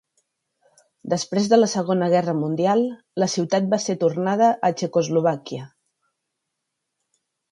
Després de la Segona Guerra Mundial la ciutat va ser tornada a Txecoslovàquia.